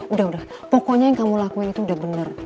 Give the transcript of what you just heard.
udah udah pokoknya yang kamu lakuin itu udah bener